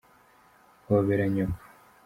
Hobera nyoko.